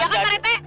ya kan pak rt